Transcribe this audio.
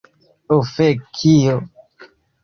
Ho fek. Kio?